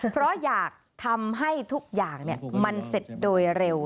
เพราะอยากทำให้ทุกอย่างมันเสร็จโดยเร็ว